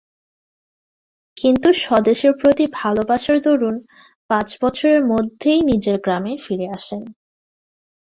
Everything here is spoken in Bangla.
কিন্তু স্বদেশের প্রতি ভালবাসার দরুন পাঁচ বছরের মধ্যেই নিজের গ্রামে ফিরে আসেন।